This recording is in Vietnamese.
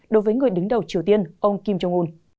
đối với người đứng đầu triều tiên ông kim jong un